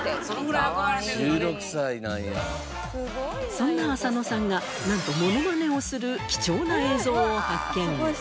そんな浅野さんがなんとモノマネをする貴重な映像を発見。